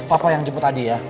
papa yang jemput adi ya